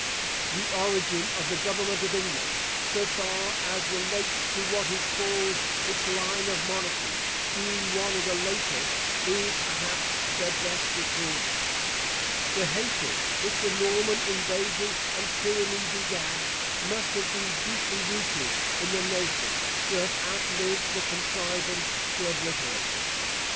The origin of the Government of England, so far as relates to what is called its line of monarchy, being one of the latest, is perhaps the best recorded. The hatred which the Norman invasion and tyranny begat, must have been deeply rooted in the nation, to have outlived the contrivance to obliterate it.